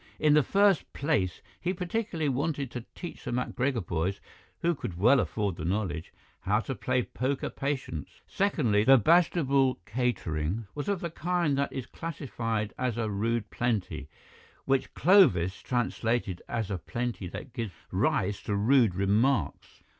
In the first place, he particularly wanted to teach the MacGregor boys, who could well afford the knowledge, how to play poker patience; secondly, the Bastable catering was of the kind that is classified as a rude plenty, which Clovis translated as a plenty that gives rise to rude remarks.